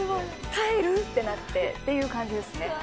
「帰る？」ってなってっていう感じですね。